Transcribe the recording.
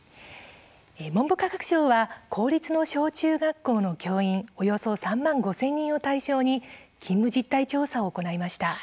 文部科学省は公立の小中学校の教員およそ３万５０００人を対象に勤務実態調査を行いました。